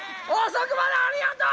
遅くまでありがとう！